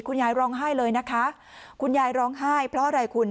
ร้องไห้เลยนะคะคุณยายร้องไห้เพราะอะไรคุณ